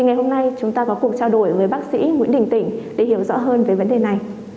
ngày hôm nay chúng ta có cuộc trao đổi với bác sĩ nguyễn đình tỉnh để hiểu rõ hơn về vấn đề này